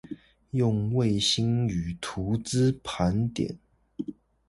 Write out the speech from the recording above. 用衛星與圖資盤點